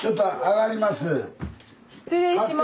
失礼します